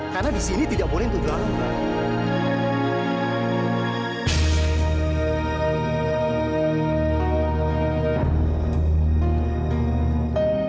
karena di sini tidak boleh untuk berangkat